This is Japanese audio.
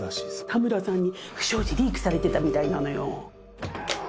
田村さんに不祥事リークされてたみたいなのよ。